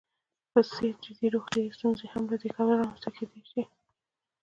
په څېر جدي روغیتايي ستونزې هم له همدې کبله رامنځته کېدلی شي.